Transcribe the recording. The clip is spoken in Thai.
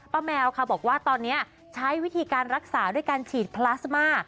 แมวค่ะบอกว่าตอนนี้ใช้วิธีการรักษาด้วยการฉีดพลาสมา